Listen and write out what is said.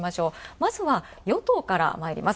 まずは与党からまいります。